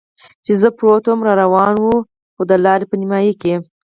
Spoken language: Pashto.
چې زه پروت ووم را روان شو، خو د لارې په نیمایي کې.